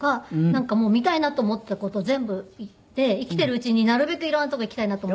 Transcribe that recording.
なんかもう見たいなと思っていた事を全部行って生きているうちになるべく色んな所行きたいなと。